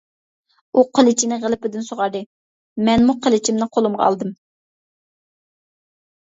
ئۇ قىلىچىنى غىلىپىدىن سۇغاردى، مەنمۇ قىلىچىمنى قولۇمغا ئالدىم.